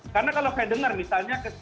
karena kalau saya dengar misalnya